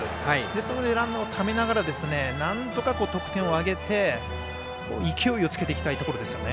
そこでランナーをためながらなんとか得点を挙げて勢いをつけていきたいところですよね。